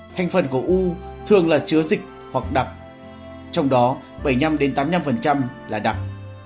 thành phần của u thường là chứa dịch hoặc đặc trong đó bảy mươi năm tám mươi năm là đặc